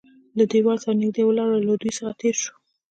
له دېوال سره نږدې ولاړ و، له دوی څخه تېر شوو.